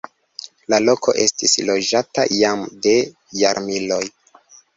La loko estis loĝata jam de jarmiloj.